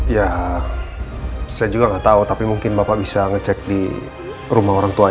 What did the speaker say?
ya saya juga nggak tahu tapi mungkin bapak bisa ngecek di rumah orang tua